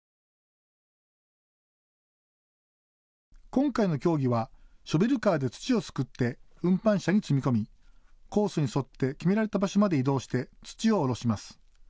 今回の競技はショベルカーで土をすくって運搬車に積み込みコースに沿って決められた場所まで移動して土を降ろします。